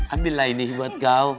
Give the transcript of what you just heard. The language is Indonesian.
ambil lah ini buat kau